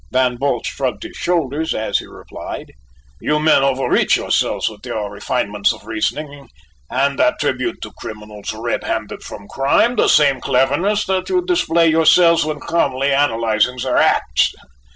Van Bult shrugged his shoulders as he replied: "You men overreach yourselves with your refinements of reasoning, and attribute to criminals red handed from crime the same cleverness that you display yourselves when calmly analyzing their acts.